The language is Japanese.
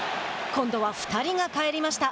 今度は２人が帰りました。